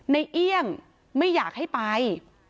เอี่ยงไม่อยากให้ไป